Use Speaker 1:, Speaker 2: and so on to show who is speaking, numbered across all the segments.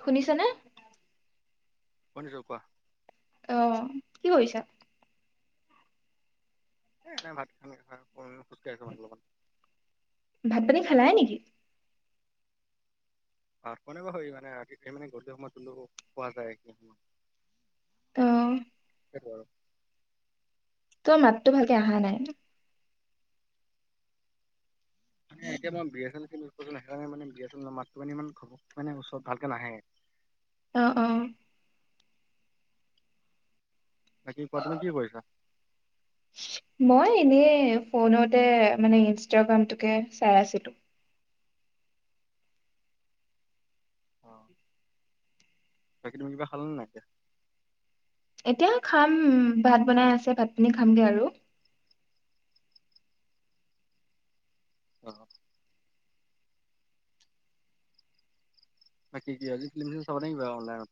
Speaker 1: শুনিছ নে?
Speaker 2: শুনিচো কোৱা।
Speaker 1: আহ কি কৰিছা?
Speaker 2: এ নাই ভাত পানী খো-
Speaker 1: ভাত পানী খালাইে নেকি?
Speaker 2: অ কোনে বা হয় মানে আ মানে গধূলি সময় হ'লেও পোৱা যায়।
Speaker 1: উম
Speaker 2: সেইটো আৰু
Speaker 1: তো মাতটো ভালকে অহা নাই।
Speaker 2: মানে এতিয়া মই বি এছ এল কৰিলোঁ। সেইকাৰণে মানে বি এছ এল মাতটো পানি ইমান মানে ওচৰত ভালকে নাহে।
Speaker 1: অ অ
Speaker 2: বাকি কোৱা তুমি কি কৰিছা?
Speaker 1: মই এনেই ফোনতে মানে ইনষ্টাগ্ৰামটোকে চাই আছিলোঁ।
Speaker 2: অ বাকী তুমি কিবা খালানে নাই এতিয়া।
Speaker 1: এতিয়া খাম ভাত বনাই আছে ভাত পিনী খামগে আৰু।
Speaker 2: অ বাকী কিয়াজি ফিলিম নি চাবা অনলাইনত।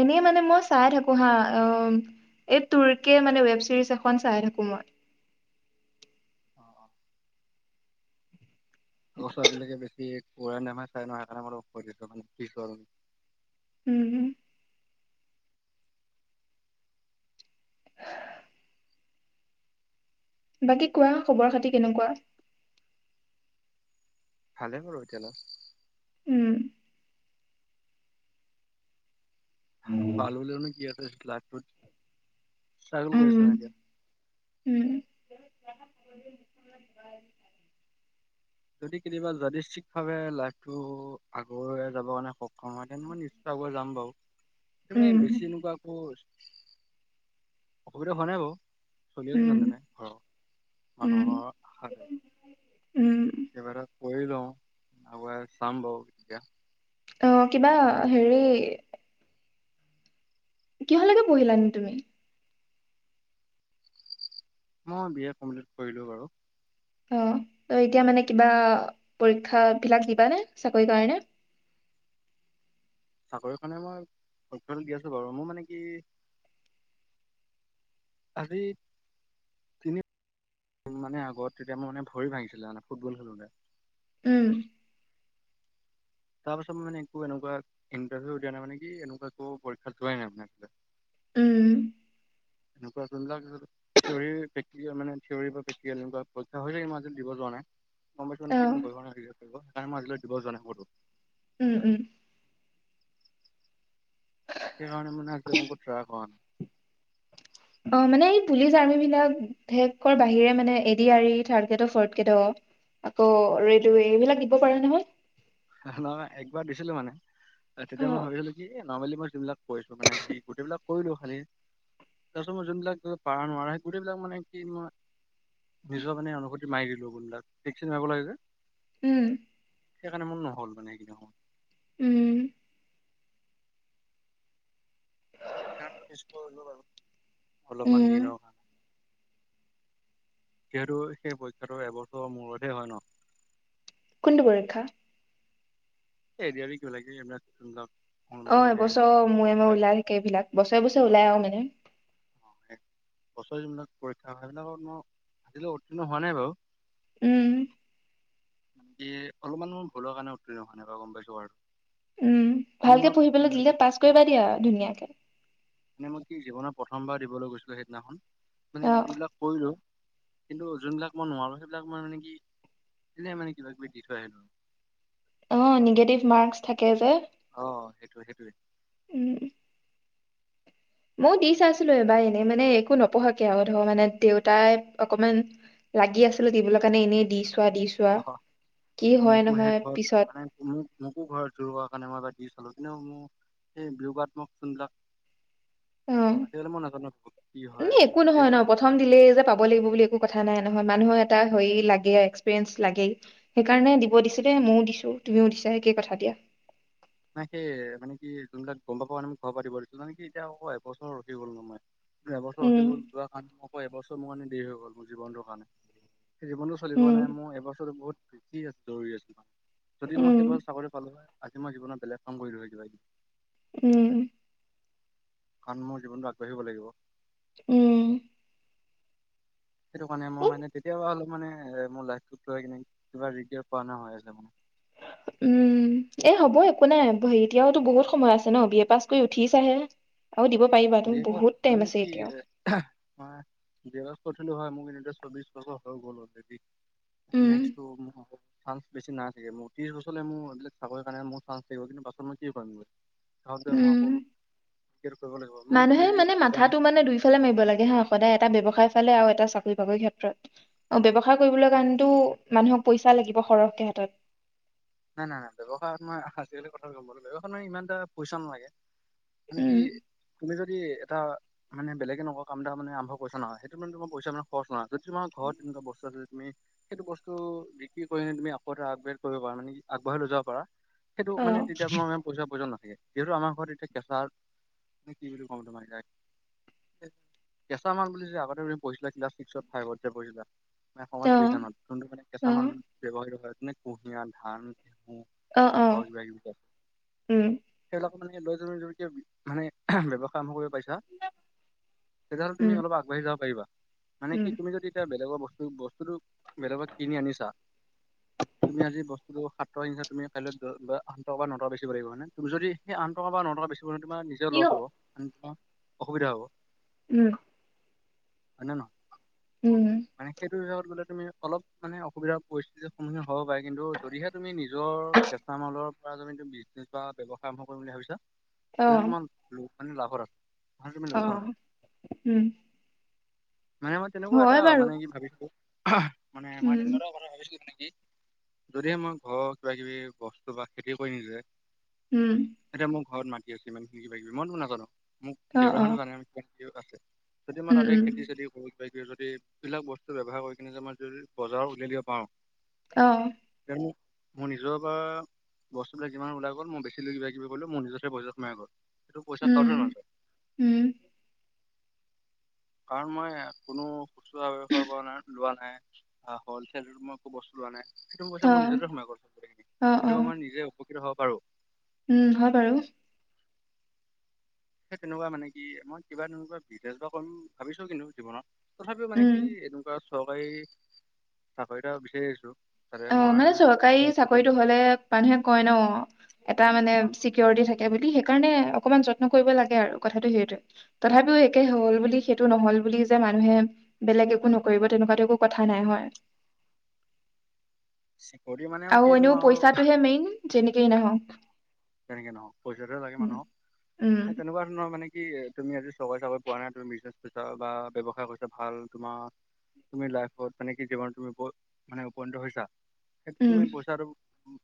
Speaker 1: এনে মানে মই চাই থাকোঁ হা মানে ৱেব চিৰিজ এখন চাই থাকোঁ মই।
Speaker 2: অ অ গচৰা বিলাকে বেছি ওৰানামই চাই নহয় সেইকাণে মোৰটো অফ কৰি দিছোঁ পিছল
Speaker 1: উম হম বাকী কোৱা খবৰ খাতি কেনেকুৱা?
Speaker 2: ভালে বাৰু এতিয়া অলপ।
Speaker 1: উম
Speaker 2: ভাল বুলিনো কি আছে। তালাক বোৰ [unintelligible] কৰিছ নাই
Speaker 1: উম,
Speaker 2: এতিয়া।
Speaker 1: উম, [inaudible]
Speaker 2: যদি কেতিয়াবা যদি চিক ভাৱে লাইফটো আগুৱাই যাব কাৰণে- কমাতেন বোৰ ইউচ কৰাব যাম বাৰু কিন্তু
Speaker 1: উম,
Speaker 2: বেছি এনেকুৱা আকৌ অসুবিধা হোৱা নাই বাৰু। চলি আছোঁ
Speaker 1: উম,
Speaker 2: যেনেতেনে ঘৰৰ
Speaker 1: উম,
Speaker 2: মানুহৰ আশাতে।
Speaker 1: উম
Speaker 2: এইবাৰ কৰি লওঁ আগুৱাই চাম বাৰু এতিয়া।
Speaker 1: অ কিবা হেৰি। কিহলৈকে পঢ়িলানো তুমি।
Speaker 2: মই বি এ কমপ্লিট কৰিলোঁ বাৰু।
Speaker 1: অ ত এতিয়া মানে কিবা পৰীক্ষা বিলাক দিবা নে চাকৰি কাৰনে।
Speaker 2: চাকৰিকানে মই কমপেলেন দি আছোঊ বাৰু মোৰ মানে কি। আজি তিনি মানে আগত তেতিয়া মই মানে ভৰি-ভাঙিছিলে মানে ফুটবল খেলোতে,
Speaker 1: উম',
Speaker 2: তাৰ পাছত মানে একো এনেকুৱা ইণ্টাৰভিউ দিয়া নাই মানে। কি এনেকুৱা একো পৰীক্ষা যোৱাই নাই মানে আ।
Speaker 1: উম
Speaker 2: এনেকুৱা যোনবিলাক থিৱৰি মানে থিৱৰি বা প্ৰেকটিকেল পৰীক্ষা হৈ থাকে ইমান আজি লেকে দিব যোৱা নাই।
Speaker 1: অ
Speaker 2: [unintelligible] সকাৰ মাজ লৈ দিব জাই সতটো [unintelligible]
Speaker 1: উম-উম
Speaker 2: সেইকাৰণে মান একদ মক ্ৰাক হ নাই [unintelligible]
Speaker 1: অ মানে এই পুলিচ আৰ্ম বিলাকে বাহিৰে মানে এ ডি আ ই থ্ৰাড গ্ৰেড ফ গ্ৰেড আকৌ ৰে এইবিলাক দিব পাৰা নহয় ৷
Speaker 2: নহয় একবাৰ দিছিলো মানে
Speaker 1: অ
Speaker 2: তেতিয়া মই ভাবিছিলো কি এ নৰ্মেলি মই যোনবিলাক কৈছো মানে কি গোটেইবিলাক কৰিলো খালি তাৰপিছত মই যোনবিলাক পাৰা নোৱাৰা স গোটেইবিলাক মানে কি মই নিজৰ মানে অনুভূতি মাৰি দিলোনাকাৰ লাগে যে
Speaker 1: উম
Speaker 2: নে মো নহ'ল মানে সেখেনি সময়ত ৷
Speaker 1: উম
Speaker 2: ছ অলপমান
Speaker 1: উম
Speaker 2: দিনৰ কাৰণে [unintelligible] যিহেতু সেই পৰীক্ষাটো এবছৰৰ মূৰতহে হয় ন?
Speaker 1: কোনতো পৰীক্ষা?
Speaker 2: এডিআৰই কিবাকিবি এইবিলাক যোনবিলাক উম,
Speaker 1: অ
Speaker 2: মানে
Speaker 1: এবছৰ মূৰে ম ওলাই থাকে এইবিলাক বছৰে বছৰে ওলাই আৰু নে উ [unintelligible]
Speaker 2: বছৰিবিলাক পৰীক্ষা সেইবিলাকত মই আজিলৈ উত্তীৰ্ণ হোৱা নাই বাৰু [unintelligible]
Speaker 1: উম
Speaker 2: বাকী অলপমান মো ভূলৰ কাৰণে উত্তীৰ্ণ হোৱা নাই বাৰু গম পাইছো আৰু
Speaker 1: উম
Speaker 2: মানে
Speaker 1: ভালকে
Speaker 2: মই
Speaker 1: পঢ়িবলৈ
Speaker 2: উম,
Speaker 1: দিলে পাছ কৰিবা দিয়া আৰু ধুনীয়াকে ৷
Speaker 2: মানে মই কি জীৱনত প্ৰথমবাৰ দিবলৈ গৈছিলো সেইদিনাখন মানে
Speaker 1: অ
Speaker 2: গোটেইবিলাক কৰিলো কিন্তু যোনবিলাক মই নোৱাৰো সেইবিলাক মই মানে কি এনে মানে কিবা কিবি দি থৈ আহিলো ৷
Speaker 1: অ নিগেটিভ মাৰ্কছ থাকে যে!
Speaker 2: টো সেইটোৱে ৷
Speaker 1: উম ময় দি চাইছিলো এবাৰ এনেই মানে একো নপঢ়াকে আৰু ধৰ মানে দেউতাই অকমান লাগি আছিলো দিবলৈ কাৰণে এনেই দিছ
Speaker 2: অ মোকো
Speaker 1: নহয়
Speaker 2: সেই ঘৰত
Speaker 1: পিছত
Speaker 2: মানে মোক মোকো ঘৰত জোৰ দিয়া কাৰণে মই এবাৰ দি চালো ৷ এনেও মো সেই বিয়োগাত্মক যোনবিলাক
Speaker 1: অ
Speaker 2: আজিকালি মই নাজানো কি
Speaker 1: ন
Speaker 2: হয় কি
Speaker 1: একো নহয় ন
Speaker 2: বিয়োগাত্মক
Speaker 1: প্ৰথম দিলেই যে পাব লাগিব বুলি একো কথা নাই নহয় মানুহে লাগেই এক্সপ্ৰিয়েছ লাগেই সেইকাৰণে দিব দিছিলেই ময়ও দিছো তুমিও দিছা সেইেই কথা দিয়া ৷
Speaker 2: নাই সেই মানে কি যোনবিলাক গম পাব মানে মোক ঘৰ পাতিব দিনে কি এতিয়া আক এবছৰ ৰৈ গ'ল ন মই ৷ এবছৰ ৰখি
Speaker 1: উম
Speaker 2: গ'ল যোৱা সাত অ এবছৰ মোৰ কাৰণে দেৰি হৈ গ'ল মোৰ জীৱনটোৰ কাৰণে ৷ সে জীৱনটো চলিব
Speaker 1: উম
Speaker 2: কাৰণে মোৰ এইবছৰো বহুত কি আৰি আছোৰ [unintelligible] যদি মই
Speaker 1: উম
Speaker 2: সেইবছৰ চাকৰি পালো হয়! আজি মই জীৱনত। বিলাক কাম হয় কিবা কিবি
Speaker 1: উম
Speaker 2: কাৰণ মোৰ জীৱনটো আগবাঢ়িব লাগিব।
Speaker 1: উম।
Speaker 2: সেইটো কাৰণে মই মানে তেতিয়াবা হলো। মানে মোৰ লাইফতো থৈ পিনে কিবা ৰিতেয়েৰ হোৱা নিচিনা হৈ আছে।।
Speaker 1: উম এ হ'ব একো নাই এতিয়াওতো বহুত সময় আছে ন, বি এ পাছ কৰি উঠি চাহে।
Speaker 2: বিয়ে পছ মানে কি এ? আমাৰ বিযেলক সোধ হয় মোৰ ইনটেজ বিছ বছৰ হৈ গ'ল অলৰেডি
Speaker 1: উম
Speaker 2: নেক্সটো। চান্স বেছি নাই চাগে, মোৰ ত্ৰশ বছৰলে মোৰ এই বিলাক চাকৰিৰ কাৰণে মোৰ চান্স থাকিব। কিন্তু পাছৰ মই কি কৰিম ঘৰত গৈ মই
Speaker 1: উম
Speaker 2: আকৌ বি এ টো কৰিব লাগিব। মই
Speaker 1: মানুহে
Speaker 2: এতিয়া
Speaker 1: মানে
Speaker 2: ৰিস্ক লোৱা নাই
Speaker 1: মাথাতটো মানে দুইফালে মাৰিব লাগে হ সদায় এটা ব্যৱসায়। ব্যৱসায়ৰ ফালে আৰু এটা চাকৰি বাকৰি ক্ষেত্ৰত। ভয় কৰিবলগীয়া কাৰণটো মানুহক। পইচাঁ লাগিব সৰহকৈ হাতত।
Speaker 2: নাই, নাই, নাই ব্যৱসায়ত মই আজিকালি কথা গম পালো ব্যৱসায়ত মই ইমান এটা পইচাঁ নালাগে। মানে কি
Speaker 1: উম
Speaker 2: তুমি যদি। এটা মানে বেলেগে নকৰা কাম এটা মানে আৰম্ভ কৰিছ নহয় সেইটো মানে তোৰ পইচা মান খৰচ নহয়। যদি তোমাৰ ঘৰত এনেকুৱা বস্তু আছে যদি। তুমি সেইটো বস্তু বিক্ৰী কৰি তুমি আকৌ এটা আগব্ৰেড কৰিব পাৰা মানে কি। আগবঢ়াই লৈ যাব পাৰা সেইটো
Speaker 1: অ
Speaker 2: মানে তেতিয়া মোৰ পইচাঁ প্ৰয়োজন নাথাকে। যিহেতু আমাৰ ঘৰত এতিয়া কেঁচা কি বুলি কম, তোমাক এতিয়াই কেঁচা মাল বুলি, আগতে ত পঢ়িছিলা ক্লাছ ছিক্সত ফাইভত যে পঢ়িছিলা। মানে সমাজ
Speaker 1: অ
Speaker 2: বিজ্ঞানত যোনটো মানে
Speaker 1: অ
Speaker 2: কেঁচা মাল ব্যৱহাৰ হয়। মানে কুঁহিয়াৰ ধান।
Speaker 1: অ অ
Speaker 2: মটৰ, কিবা কিবি আছে
Speaker 1: উম
Speaker 2: সেইবিলাক মানে লৈ জৰিয়তেই ব্যয়ৱসায় আৰম্ভ কৰিব। পাইছা তেতিয়াহ'লে
Speaker 1: উম
Speaker 2: তুমি অলপ আগবাঢ়ি যাব পাৰিবা। মানে কি
Speaker 1: উম
Speaker 2: তুমি যদি এতিয়া বেলেগৰ বস্তু। বস্তুতটো বেলেগ কিনি আনিছা, তুমি আজি বস্তুটো তুমি কাইলৈ বা আঠ টকা, ন টকাত বেছি লাগিব হয়নে, তুমি যদি সেই আঠ টকা বা ন টকাত বেছি। নহ'লে তোমাৰ নিজৰে
Speaker 1: কি হ
Speaker 2: লছ হ'ব। অসুবিধা হ'ব।
Speaker 1: উম।
Speaker 2: হয়নে ন
Speaker 1: উম
Speaker 2: মানে সেইটোৰ জেগাত বোলে তুমি অলপ মানে অসুবিধা পৰিস্থিতিৰ সন্মুখীন হ'ব পাৰে কিন্তু যদিহে তুমি নিজৰ কেঁচা মালৰ পৰা যদি তুমি বিজনেচ বা ব্যৱহায় আৰম্ভ কৰিম বুলি ভাবিছা
Speaker 1: অ
Speaker 2: [unintelligible] ওম লাহৰত
Speaker 1: অ উম
Speaker 2: মানে মই তেনেকুৱা এটা
Speaker 1: হয় বাৰু
Speaker 2: মানে কি ভাবিছো হা মানে মই
Speaker 1: উম
Speaker 2: তেনেকুৱা কথা এটা ভাবিছো তেনেকে যদিহে মই ঘৰত কিবা কিবি বস্তু বা খেতি কৰি নিজে
Speaker 1: উম
Speaker 2: এটা মোৰ ঘৰ মানুহ কি আছে ইমানখিনি মইনো নাজানো মোক
Speaker 1: অ
Speaker 2: দেউৰা
Speaker 1: অ
Speaker 2: হান পান ঠিক আছে যদি মই
Speaker 1: উম
Speaker 2: তাতে
Speaker 1: উম
Speaker 2: খেতি চেতি কৰো যদি এইবিলাক বস্তু ব্যৱহাৰ কৰি কিনি যদি মই বজাৰত উলিয়াই দিব পাৰো
Speaker 1: অহ
Speaker 2: উ মোৰ নিজৰ পৰা বস্তুবিলাক যিমান ওলাই গ'ল মই বেছিলৈ কিবা কিবি কৰিলো মোৰ নিজৰে বজা সোমাই গ'ল সেইটো পইচা
Speaker 1: উম
Speaker 2: কাৰোতে নাযায়
Speaker 1: উম
Speaker 2: কাৰণ মই কোনো কুু স খাৰ পৰা নাই লোৱা নাই অ হ'লচেল মই একো বস্তু লোৱা নাই সেইটো কথা
Speaker 1: অ
Speaker 2: মোৰ নিজতে সোমাই গল
Speaker 1: অ অ
Speaker 2: সেইটো আমাৰ নিজে উপকৃত হব পাৰো
Speaker 1: উম হয় বাৰু
Speaker 2: সেই তেনেকুৱা মানে কি মই কিবা তেনেকুৱা বিজনেচ বা কৰিম ভাবিছো কিন্তু জীৱনত তথাপিও মানে
Speaker 1: উম
Speaker 2: কি এনেকুৱা চৰকাৰী চাকৰিটা বিচাৰি আহিছো
Speaker 1: অ মানে চৰকাৰী চাকৰিটো হলে মানুহে কয় ন এটা মানে চিকৰিটি থাকে বুলি সেইকাৰণে অকমান যত্ন কৰিব লাগে আৰু কথাটো সেইটোৱে তথাপিও একে হল বুলি সেইটো নহল বুলি যে মানুহে বেলেগ একো নকৰিব তেনেকুৱাাত একো কথা নাই হয়
Speaker 2: চিকৰটি মানে আৰু
Speaker 1: এনেও
Speaker 2: কিনো আৰু,
Speaker 1: পইচাটোহে মেইন যেনেকেই নহওক,
Speaker 2: তেনেকে নহওক পইচাটোহে লাগে মানুহক,
Speaker 1: উম
Speaker 2: হেই তেনেকুৱা ধৰণৰ মানে, কি তুমি আজি চৰকাৰী চাকৰি পোৱা নাই, তুমি বিজনেছ কৰিছা বা ব্যৱসায় কৰিছা, ভাল তোমাৰ- তুমি লাইফত মানে কি জীৱনত তুমি মানে উপ উপনীত হৈছা। সেই
Speaker 1: উম
Speaker 2: তুমি পইছাটো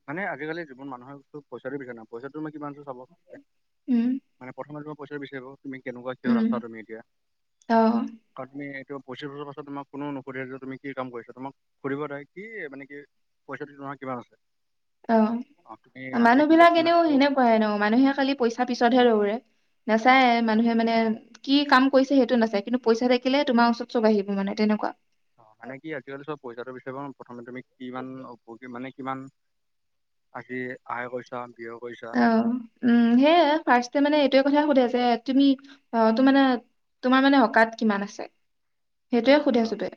Speaker 2: মানে আজিকালি জীৱন মানুহৰ পইচাটোৰ পিছে ন পইচাটোনু কিমান আছে চাব
Speaker 1: উম
Speaker 2: মানে প্ৰথমেতো পইচাটো বিচাৰিব তুমি কেনেকুৱা কিহত
Speaker 1: উম
Speaker 2: আছা তুমি এতিয়া,
Speaker 1: অ
Speaker 2: আৰু তুমি এইটো, পঁচিছ বছৰ পাছত তোমাক কোনো নুসুধে যে, তুমি কি কাম কৰিছাঁ, তোমাক সুধিব দাইক কি মানে কি পইচাটো তোমাৰ কিমান আছে?
Speaker 1: অ
Speaker 2: অ তুমি
Speaker 1: ',
Speaker 2: আজি
Speaker 1: মানুহ
Speaker 2: দুই লাখ
Speaker 1: বিলাক
Speaker 2: তিনি লাখ
Speaker 1: এনেও
Speaker 2: পাও
Speaker 1: সেনেকুৱাই ন মানুহে খালি পইচা পিছতহে দৌৰে। নেচায়ে
Speaker 2: অ
Speaker 1: মানুহে মানে কি কাম কৰিছে সেইটো নেচাই, কিন্তু পইচা থাকিলে তোমাৰ ওচৰত চব আহিব মানে তেনেকুৱা।
Speaker 2: অ, মানে কি' আজিকালি চব পইচাটো বিচাৰিব ন প্ৰথমে তুমি কিমান মানে কিমান আহিল আয় কৰিছা ব্যয় কৰিছা
Speaker 1: অ', উম সেয়াই ফাৰ্ষ্টে মানে এইটো কথা সোধে যে, তুমি আহ ত মানে তোমাৰ মানে অকাত কিমান আছে সেইটোৱে শুধে
Speaker 2: অ
Speaker 1: চবে,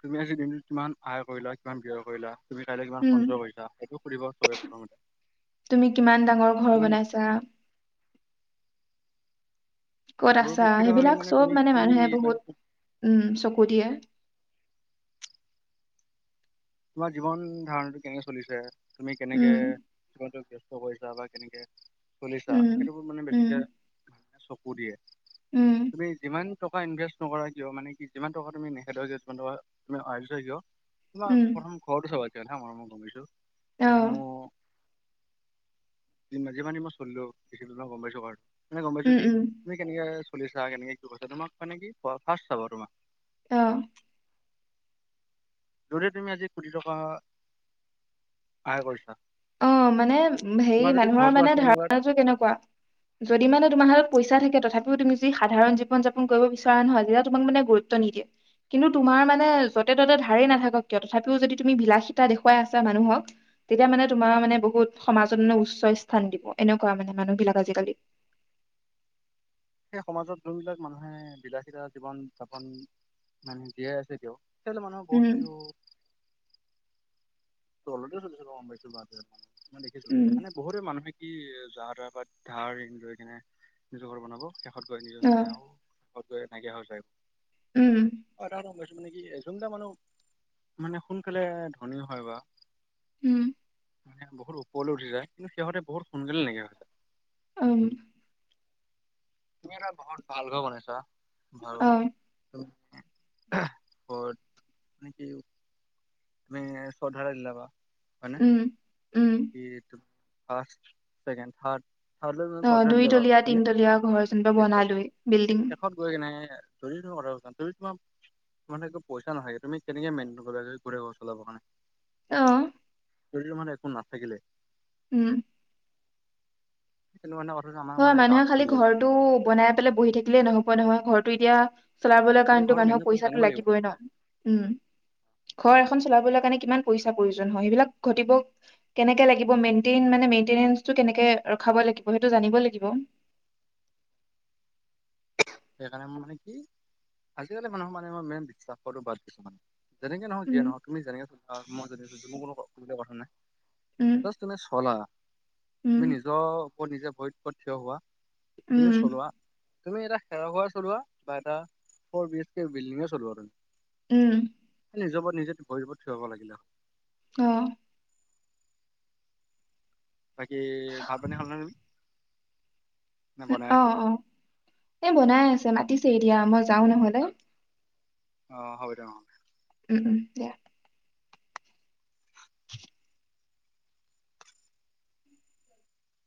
Speaker 2: তুমি, আজি দিনটো কিমান আয় কৰিলা, কিমান ব্যয় কৰিলা। তুমি কাইলৈ কিমান
Speaker 1: উম
Speaker 2: সঞ্চয় কৰিছাঁ, সেইটো সুধিব চবে প্ৰথমতে
Speaker 1: তুমি কিমান ডাঙৰ ঘৰ
Speaker 2: মানে
Speaker 1: বনাইছা ক'ত আছা,
Speaker 2: পৰিপ্ৰেক্ষিত ভাৱে
Speaker 1: সেইবিলাক চব
Speaker 2: তুমি
Speaker 1: মানে
Speaker 2: কি
Speaker 1: মানুহে
Speaker 2: মানে
Speaker 1: বহুত উম, চকু দিয়ে।
Speaker 2: তোমাৰ জীৱন ধাৰণটো কেনেকে চলিছে তুমি কেনেকে,
Speaker 1: উম
Speaker 2: কৰিছা বা কেনেকে চলিচা
Speaker 1: উম
Speaker 2: সেইটো বোৰ মানে
Speaker 1: উম
Speaker 2: বেছিকে, চকু দিয়ে।
Speaker 1: উম
Speaker 2: তুমি যিমান টকা ইনভেষ্ট নকৰা কিয়, মানে কি যিমান টকা তুমি নেখেদাও কিয় যিমান টকা তুমি আজিচা কিয়
Speaker 1: উম
Speaker 2: ঘৰটো চাবা কিয় হা মই গম পাইছোঁ,
Speaker 1: অ
Speaker 2: মানে মো মানে মই চলিলো। [unintelligible] গম পাইছো [unintelligible] মানে গম পাইছোঁ
Speaker 1: উম
Speaker 2: কি,
Speaker 1: উম
Speaker 2: তুমি কেনেকে ফুৰিছা কেনেকে কি কৰিছাঁ তোমাক মানে কি ফাৰ্ষ্ট চাব তোমাক
Speaker 1: আহ
Speaker 2: যদি তুমি আজি কোটি টকা আয় কৰিছা
Speaker 1: অ মানে হেৰি
Speaker 2: তোমাৰ যদি
Speaker 1: মানুহৰ
Speaker 2: ঘৰতো
Speaker 1: মানে
Speaker 2: আছে এনেকুৱাত
Speaker 1: ধাৰণাটো কেনেকুৱা যদি মানে তোমাৰ হাতত পইচা থাকে। তথাপিও তুমি যি সাধাৰণ জীৱন যাপন কৰিব বিচৰা নহয় যেতিয়া তোমাক মানে গুৰুত্ব নিদিয়ে কিন্তু তোমাৰ মানে য'তে ত'তে ধাৰেই নাথাকক কিয় তথাপিও যদি তুমি বিলাসীতা দেখুৱাইছা মানুহক তেতিয়া মানে। তোমাৰ মানে বহুত সমাজত মানে উচ্চ স্থান দিব এনেকুৱা মানে মানুহ বিলাক আজি কালি।
Speaker 2: সেই সমাজত যোনবিলাক মানুহে বিলাসিতা জীৱন যাপন মানে জীয়াই আছে তেওঁক। কালি মানুহৰ
Speaker 1: উম
Speaker 2: বহুত। চলোতে চলিছে মই গম পাইছোঁ ভালকে অলপ। মই দেখিছো
Speaker 1: উম
Speaker 2: মানে বহুতে মানসিক। কি যাৰ তাৰ পৰা ধাৰ লৈ কিনে নিজৰ ঘৰ বনাব। শেষত কৰে নিজৰ
Speaker 1: অ
Speaker 2: কাৰণে আৰু। তো এইটো নাইকিয়া হৈ যায়।
Speaker 1: উম
Speaker 2: আৰু এটা কথা গম পাইছো মানে কি এই জোনকোটা মানুহ মানে সোনকালে ধনী হয় বা।
Speaker 1: উম
Speaker 2: মানে বহুত ওৰলৈ উঠি যায় কিন্ত সিহতে বহুত। সোনকালে নাইকিয়া হয়।
Speaker 1: উম
Speaker 2: তুমি এটা বহুত ভাল ঘৰ বনাইছা। ভাল
Speaker 1: অ
Speaker 2: ঘৰত। তুমি চৰ্ট ঢালাই দিলা বাৰু। মানে
Speaker 1: উম উম
Speaker 2: এইটো। First, second, third. থাৰ্ডলৈ তুমি
Speaker 1: অ
Speaker 2: শ্ৰদ্ধা
Speaker 1: দুই
Speaker 2: দিলা বাৰু
Speaker 1: তলীয়া
Speaker 2: হয়নে
Speaker 1: তিনতলীয়া ঘৰ যেনিবা বনালোৱেই বিল্ডিং।
Speaker 2: তু সেইটোৱেই কথাটো। যদি তোমাৰ মানে একো পইচা নহাকে তুমি কেনেকে মেইনটেইন কৰিবা যে। গোটেই ঘৰ চলাবৰ কাৰণে।
Speaker 1: আহ
Speaker 2: ধৰি লোৱা মানে একো নাথাকিলে?
Speaker 1: উম
Speaker 2: সেইটো মানে কথাটো।
Speaker 1: হয় মানুহে খালি ঘৰটো বনাই পেলাই বহি থাকিলেই নহব। নহয় ঘৰটো এতিয়া। চলাবলৈ
Speaker 2: গোটেই
Speaker 1: কাৰণটো
Speaker 2: ঘৰ
Speaker 1: মানুহৰ
Speaker 2: মেইনটেইন কৰিব
Speaker 1: পইচাটো
Speaker 2: জানিব লাগিব
Speaker 1: লাগিবই ন। উম হয়। এখন চলাব কাৰণে কিমান পইচাৰ প্ৰয়োজন হয় এইবিলাক ঘটিব কেনেকে লাগিব মেনটেইন মানে মেনটেইনেন্চ টো কেনেকে ৰখাব লাগিব সেইটো জানিব। ব লাগিব।
Speaker 2: সেইকাৰণে মই মানে কি আজিকালি মানুহক মানে মই মেইন বিশ্বাস কৰাটো বাদ দিছো মানে। যেনেকে নহ‌ওক যিয়ে
Speaker 1: উম
Speaker 2: নহ‌ওক তুমি যেনেকে থাকা মই যদি মোৰ কোনো ক। কথা নাই।
Speaker 1: উম
Speaker 2: তুমি চলা
Speaker 1: উম
Speaker 2: তুমি নিজৰ। আকৌ নিজে ভৰি ওপৰত থিয় হোৱা। তুমি
Speaker 1: উম
Speaker 2: চলোৱা। তুমি এৰা খেৰ ঘৰ চলোৱা বা এটা ফৰ বিএচ কে বিল্ডিঙ চলোৱা,
Speaker 1: উম
Speaker 2: নিজৰ ওপৰত নিজে ভৰি ওপৰত থিয় হব লাগিলে
Speaker 1: অ
Speaker 2: বাকি ভাত পানী খালা নে নে বনাই
Speaker 1: অ
Speaker 2: আছে?
Speaker 1: অ এই বনাই আছে মাটি। দি দিয়া মই যাও নহ'লে,
Speaker 2: অ হ'ব দে অ।
Speaker 1: উ উম দিয়া।